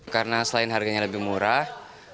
karena selain harganya lebih murah